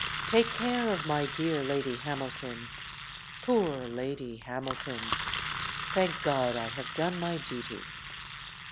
Take care of my dear Lady Hamilton poor Lady Hamilton! Thank God I have done my duty!"